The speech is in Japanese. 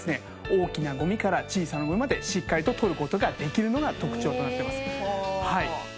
大きなゴミから小さなゴミまでしっかりと取る事ができるのが特徴となってます。